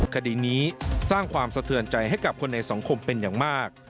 คดีนี้สร้างความสะเทือนใจให้กับคนในสังคมเป็นอย่างมาก